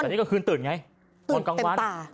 แต่กลางคืนตื่นไงปล่อยตื่นเต็มตา